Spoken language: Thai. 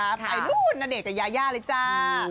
ไอ้รุ่นนเดชน์กับยาย่าเลยจ้า